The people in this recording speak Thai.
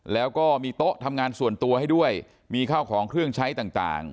แล้วก็มีโต๊ะทำงานส่วนตัวให้ด้วยมีข้าวของเครื่องใช้ต่าง